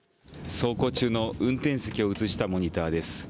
走行中の運転席を映したモニターです。